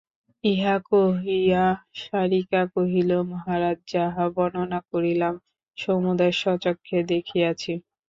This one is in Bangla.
ইহা কহিয়া শারিকা কহিল মহারাজ যাহা বর্ণনা করিলাম সমুদয় স্বচক্ষে দেখিয়াছি।